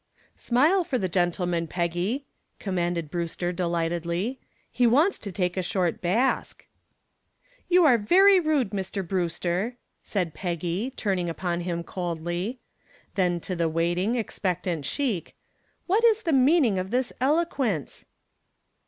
"Smile for the gentleman, Peggy," commanded Brewster delightedly. "He wants to take a short bask." "You are very rude, Mr. Brewster," said Peggy, turning upon him coldly. Then to the waiting, expectant sheik: "What is the meaning of this eloquence?"